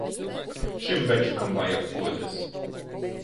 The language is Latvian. Šim večukam vajag potes.